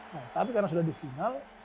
nah tapi karena sudah di final